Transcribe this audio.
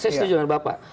saya setuju dengan bapak